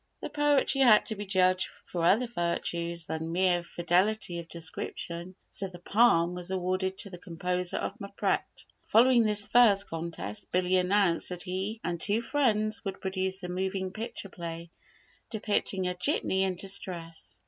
The poetry had to be judged for other virtues than mere fidelity of description, so the "palm" was awarded to the composer of "Mpret." Following this verse contest, Billy announced that he and two friends would produce a moving picture play depicting a jitney in distress.